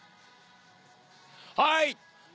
はい。